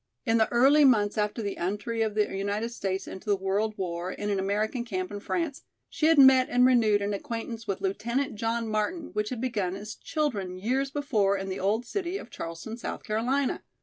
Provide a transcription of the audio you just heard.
In the early months after the entry of the United States into the world war, in an American camp in France, she had met and renewed an acquaintance with Lieutenant John Martin which had begun as children years before in the old city of Charleston, South Carolina.